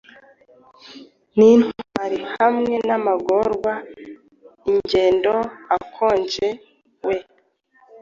Nintwali hamwe namagorwa-ingendo akonje we